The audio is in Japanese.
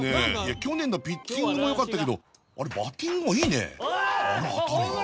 去年のピッチングもよかったけどバッティングもいいねあら当たる